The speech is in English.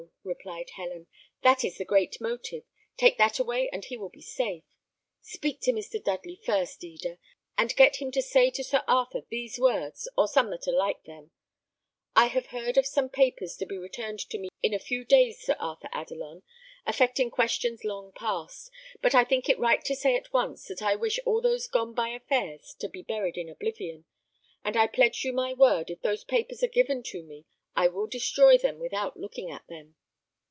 replied Helen, "that is the great motive. Take that away, and he will be safe. Speak to Mr. Dudley first, Eda, and get him to say to Sir Arthur these words, or some that are like them: 'I have heard of some papers to be returned to me in a few days, Sir Arthur Adelon, affecting questions long past; but I think it right to say at once, that I wish all those gone by affairs to be buried in oblivion; and I pledge you my word, if those papers are given to me, I will destroy them without looking at them.'"